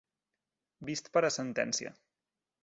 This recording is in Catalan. Vist per a sentència.